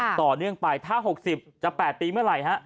ค่ะต่อเนื่องไปถ้าหกสิบจะแปดปีเมื่อไหร่ฮะ